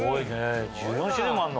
１４種類もあるの！